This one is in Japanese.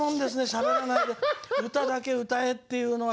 しゃべらないで歌だけ歌えっていうのは酷ですね。